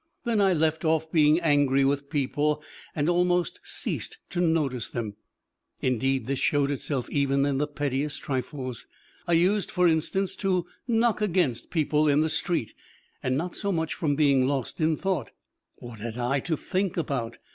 Then I left off being angry with people and almost ceased to notice them. Indeed this showed itself even in the pettiest trifles: I used, for instance, to knock against people in the street. And not so much from being lost in thought: what had I to think about?